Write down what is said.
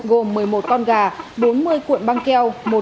gồm một mươi một con gà bốn mươi cuộn băng keo